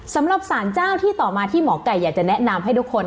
สำหรับสารเจ้าที่ต่อมาที่หมอไก่อยากจะแนะนำให้ทุกคน